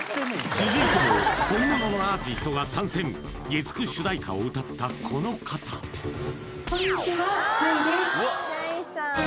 続いても本物のアーティストが参戦月９主題歌を歌ったこの方こんにちはｃｈａｙです